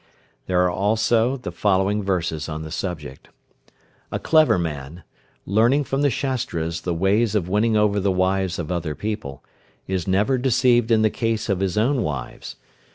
There are also the following verses on the subject. "A clever man, learning from the Shastras the ways of winning over the wives of other people, is never deceived in the case of his own wives.